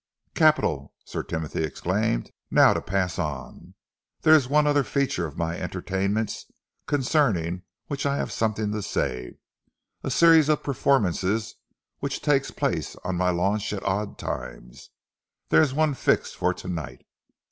"Capital!" Sir Timothy exclaimed. "Now to pass on. There is one other feature of my entertainments concerning which I have something to say a series of performances which takes place on my launch at odd times. There is one fixed for tonight.